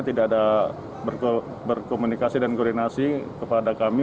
tidak ada berkomunikasi dan koordinasi kepada kami